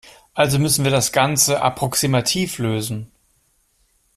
Also müssen wir das Ganze approximativ lösen.